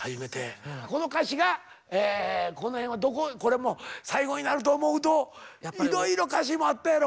この歌詞がこの辺はどここれも最後になると思うといろいろ歌詞もあったやろ？